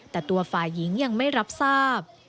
แต่ตัวฝ่ายหญิงยังไม่รับทราบ